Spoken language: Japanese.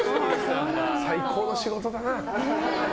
最高の仕事だな。